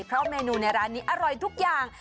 เพราะเมนูในร้านนี้อร่อยทุกอย่าง